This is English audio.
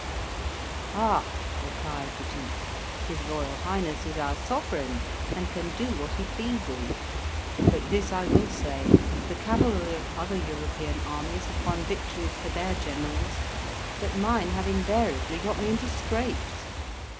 "Ah!" replied the Duke, "his Royal Highness is our Sovereign, and can do what he pleases; but this I will say, the cavalry of other European armies have won victories for their generals, but mine have invariably got me into scrapes.